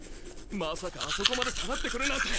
まさかあそこまで下がってくるなんて！